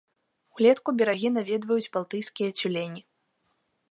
Улетку берагі наведваюць балтыйскія цюлені.